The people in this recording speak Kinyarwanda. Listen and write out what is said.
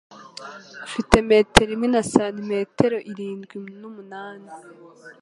ufite metero imwe na santimtero irindwi numunani